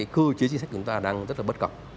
chúng ta đang rất là bất cập